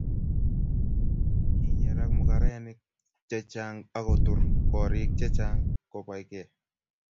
kinyeraka mung'arenik che chang' akutur koriik che chang' kobai gei